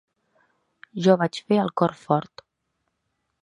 Jo vaig fer el cor fort.